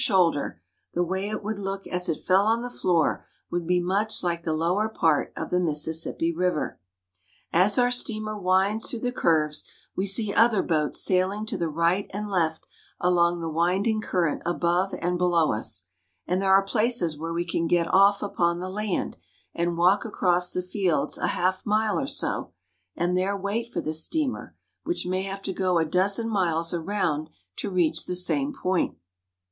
der, the way it would look as it fell on the floor would be much like the lower part of the Mississippi River. As our steamer winds through the curves, we see other boats sail ing to the right and left along the winding current above and below us ; and there are places where we can get off upon the land, and walk across the fields a half mile or so, and there wait for the steamer, which may have to go a dozen miles around to reach the same point.